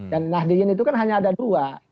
nahdiyin itu kan hanya ada dua